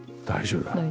大丈夫だ。